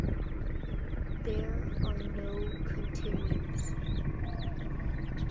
There are no continues.